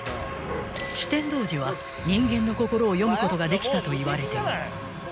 ［酒呑童子は人間の心を読むことができたといわれている］